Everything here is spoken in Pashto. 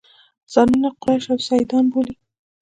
ځانونه قریش او سیدان بولي.